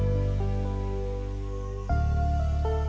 ya udah mama doain